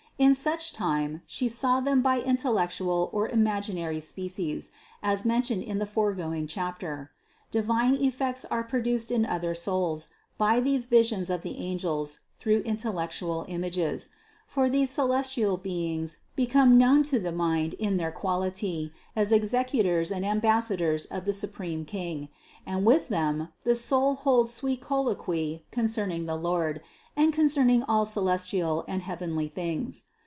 In such time, She saw them by intellectual or imaginary species, as mentioned in the foregoing chapter. Divine effects are produced in other souls by these visions of angels through intellectual images; for these celestial beings become known to the mind in their quality as executors and ambassadors of the supreme King, and with them the soul holds sweet colloquy concerning the Lord, and concerning all celestial and heavenly things.